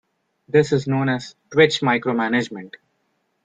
This is known as twitch micromanagement.